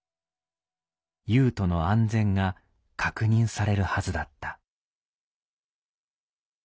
優斗の安全が確認されるはずだった。